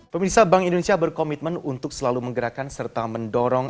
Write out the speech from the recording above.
pemirsa bank indonesia berkomitmen untuk selalu menggerakkan serta mendorong